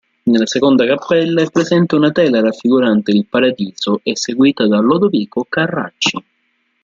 Nella seconda cappella è presente una tela raffigurante il "Paradiso" eseguita da Lodovico Carracci.